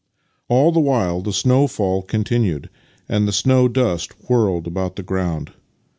All the while the snow fall continued and the snow dust whirled about the ground.